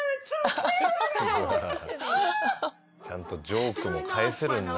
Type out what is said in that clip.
ちゃんとジョークも返せるんだな。